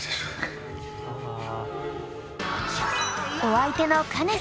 お相手のカネさん。